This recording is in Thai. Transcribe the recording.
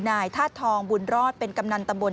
นายธาตุทองบุญรอดเป็นกำนันตำบล